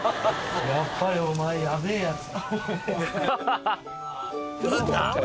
やっぱりお前ヤベえやつ。